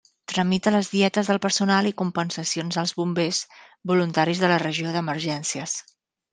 Tramita les dietes del personal i compensacions als bombers voluntaris de la regió d'emergències.